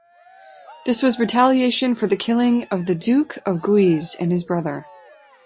This was retaliation for the killing of the Duke of Guise and his brother.